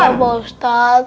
iya pak ustadz